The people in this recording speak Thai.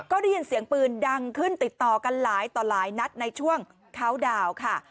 ก็ได้ยินเสียงปืนดังขึ้นติดต่อกันหลายต่อหลายนัดในช่วงเขาดาวน์ค่ะ